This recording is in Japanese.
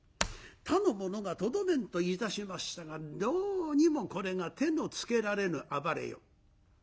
他の者がとどめんといたしましたがどうにもこれが手のつけられぬ暴れよう。